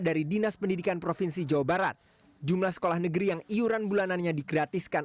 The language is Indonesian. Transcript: dari dinas pendidikan provinsi jawa barat jumlah sekolah negeri yang iuran bulanannya digratiskan